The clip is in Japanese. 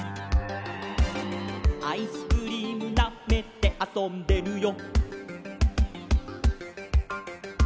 「アイスクリームなめてあそんでるよ」